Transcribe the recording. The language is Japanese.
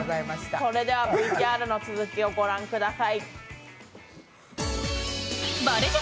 それではＶＴＲの続きをご覧ください。